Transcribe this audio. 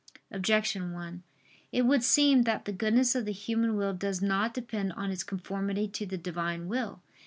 Objection 1: It would seem that the goodness of the human will does not depend on its conformity to the Divine will.